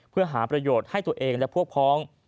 เพื่อหาประโยชน์ให้ตัวเองและพวกพ้อง